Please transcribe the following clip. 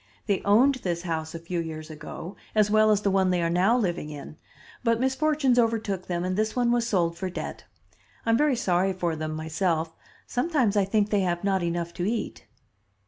They owned this house a few years ago, as well as the one they are now living in, but misfortunes overtook them and this one was sold for debt. I am very sorry for them myself. Sometimes I think they have not enough to eat."